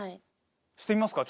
してみますか？